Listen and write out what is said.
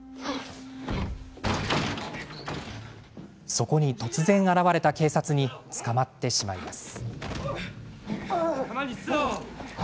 そこに突然現れた警察に捕まってしまいます。